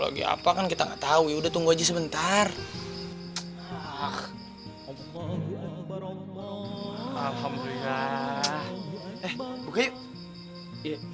lagi apa kan kita enggak tahu udah tunggu aja sebentar ah alhamdulillah